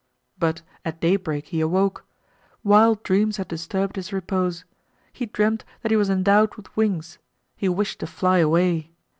But at daybreak he awoke. Wild dreams had disturbed his repose. He dreamed that he was endowed with wings—he wished to fly away.